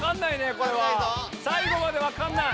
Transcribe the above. これは最後までわかんない！